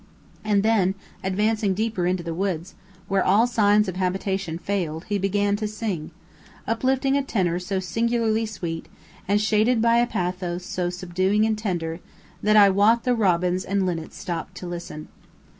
And then, advancing deeper into the woods, where all signs of habitation failed, he began to sing uplifting a tenor so singularly sweet, and shaded by a pathos so subduing and tender, that I wot the robins and linnets stopped to listen.